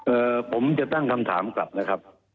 เอ่อผมจะตั้งคำถามกลับนะครับ